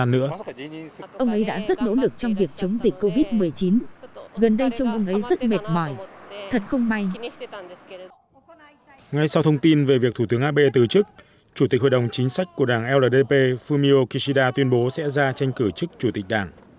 ngay sau thông tin về việc thủ tướng abe từ chức chủ tịch hội đồng chính sách của đảng ldp fumio kishida tuyên bố sẽ ra tranh cử chức chủ tịch đảng